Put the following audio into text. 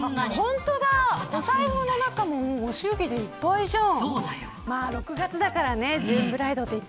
本当だ、お財布の中もご祝儀でいっぱいじゃん。